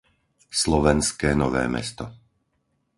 Slovenské Nové Mesto